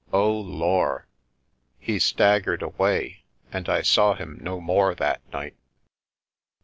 Oh, Lor'!" He staggered away, and I saw him no more that night.